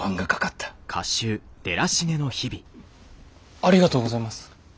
ありがとうございます。